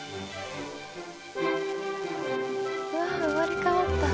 わあ生まれ変わった。